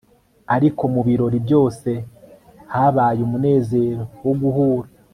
ariko mu birori byose habaye umunezero wo guhura